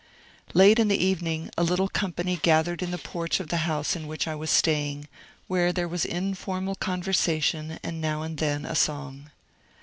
Late in the evening a little company gathered in the porch of the house in which I was staying, where there was informal conversation, and now and then a song.